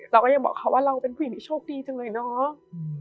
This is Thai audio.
เราก็ยังบอกเขาว่าเราเป็นผู้หญิงที่โชคดีจังเลยเนาะ